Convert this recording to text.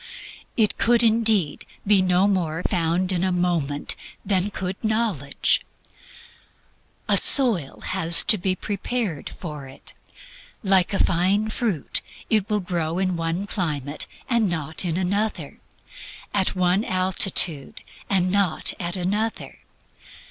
It could indeed be no more found in a moment than could knowledge. A soil has to be prepared for it. Like a fine fruit, it will grow in one climate, and not in another; at one altitude, and not at another.